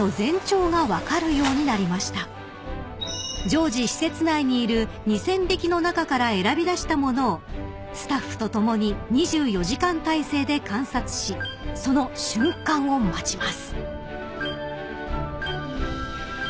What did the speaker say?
［常時施設内にいる２，０００匹の中から選び出したものをスタッフと共に２４時間体制で観察しその瞬間を待ちます］